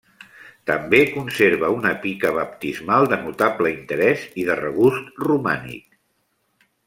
També conserva una pica baptismal de notable interès i de regust romànic.